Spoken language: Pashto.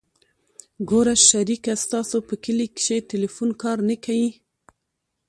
ګوره شريکه ستاسو په کلي کښې ټېلفون کار نه کيي.